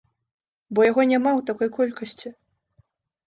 Бо яго няма ў такой колькасці.